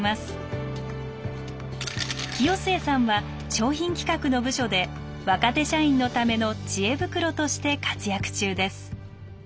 清末さんは商品企画の部署で若手社員のための知恵袋として活躍中です。